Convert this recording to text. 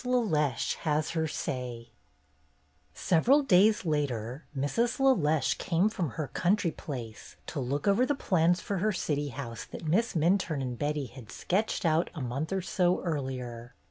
LELECHE HAS HER SAY S EVERAL days later, Mrs. LeLeche came from her country place to look over the plans for her city house that Miss Min turne and Betty had sketched out a month or so earlier.